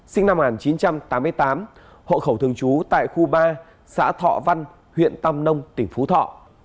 sinh năm một nghìn chín trăm tám mươi tám hộ khẩu thường trú tại khu ba xã thọ văn huyện tam nông tỉnh phú thọ